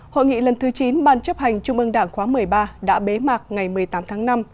hội nghị lần thứ chín bàn chấp hành chung mương đảng khóa một mươi ba đã bế mạc ngày một mươi tám tháng năm